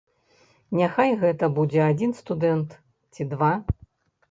Няхай гэта будзе адзін студэнт ці два!